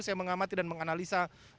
saya mengamati dan menganalisis